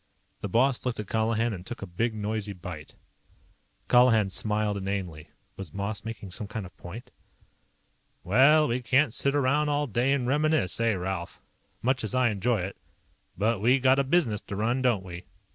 '" The boss looked at Colihan and took a big noisy bite. Colihan smiled inanely. Was Moss making some kind of point? "Well, we can't sit around all day and reminisce, eh, Ralph? Much as I enjoy it. But we got a business to run, don't we?"